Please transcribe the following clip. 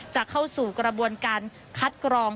จะเข้าสู่กระบวนการคัดกรอง